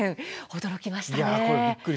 驚きました。